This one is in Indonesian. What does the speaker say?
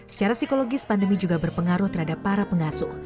secara psikologis pandemi juga berpengaruh terhadap para pengasuh